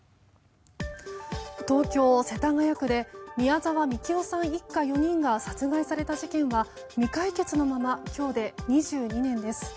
東京・世田谷区で宮沢みきおさん一家４人が殺害された事件は未解決のまま今日で２２年です。